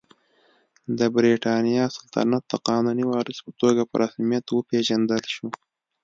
د برېټانیا سلطنت د قانوني وارث په توګه په رسمیت وپېژندل شو.